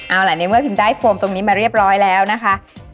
เอาล่ะในเมื่อพิมได้โฟมตรงนี้มาเรียบร้อยแล้วนะคะ